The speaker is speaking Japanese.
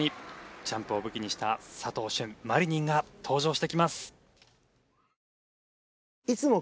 ジャンプを武器にした佐藤駿マリニンが登場してきます。